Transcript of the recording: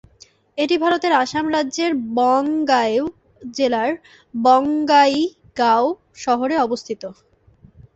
এটি ভারতের আসাম রাজ্যের বঙাইগাঁও জেলার বঙাইগাঁও শহরে অবস্থিত।